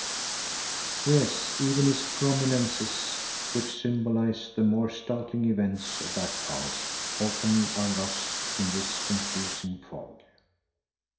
Yes, even its prominences, which symbolise the more startling events of that past, often are lost in this confusing fog.